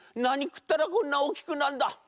なにくったらこんなおおきくなんだ」。